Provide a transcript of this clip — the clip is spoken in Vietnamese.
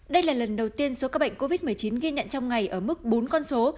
đây là lần đầu tiên số ca bệnh covid một mươi chín ghi nhận trong ngày ở mức bốn con số